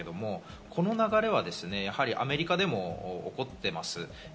この流れはアメリカでも起こっています。